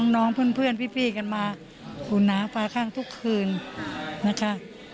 น้องเพื่อนพี่กันมาอุ่นหนาฟ้าข้างทุกคืนนะคะ